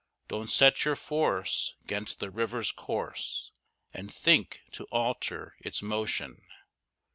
Don't set your force 'gainst the river's course, And think to alter its motion.